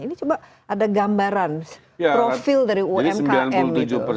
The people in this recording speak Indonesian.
ini coba ada gambaran profil dari umkm itu